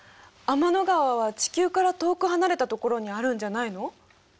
天の川は地球から遠く離れたところにあるんじゃないの？